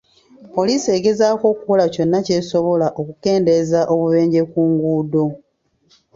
Poliisi egezaako okukola kyonna ky'esobola okukendeeza obubenje ku nguudo.